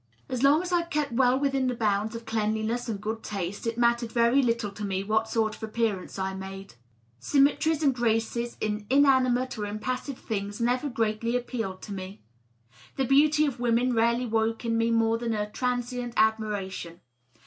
As long as I kept well within the bounds of cleanliness and good taste, it mattered very little to me what sort of an appearance I made. Sym metries and graces in inanimate or impassive things never greatly ap pealed to me. The beauty of women rarely woke in me more than a transient admiration.